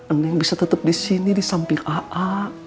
neneng bisa tetap di sini di samping aa